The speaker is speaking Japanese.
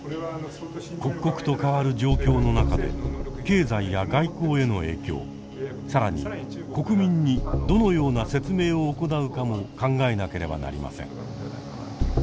刻々と変わる状況の中で経済や外交への影響更に国民にどのような説明を行うかも考えなければなりません。